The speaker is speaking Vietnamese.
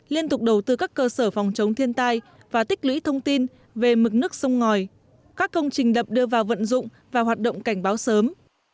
liên tục đầu tư các cơ sở phòng chống thiên tai và tích lũy thông tin về mực nước sông ngòi các công trình đập đưa vào vận dụng và hoạt động cảnh báo sớm